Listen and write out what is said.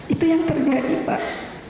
itu yang terjadi pak